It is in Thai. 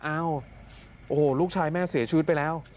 เอ้าโอ้โหลูกชายแม่เสียชีวิตไปแล้ว